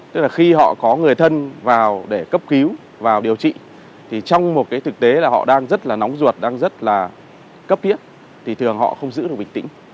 tức là khi họ có người thân vào để cấp cứu vào điều trị thì trong một cái thực tế là họ đang rất là nóng ruột đang rất là cấp thiết thì thường họ không giữ được bình tĩnh